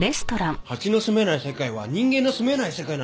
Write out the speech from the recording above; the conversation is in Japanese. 蜂の棲めない世界は人間の住めない世界なんです。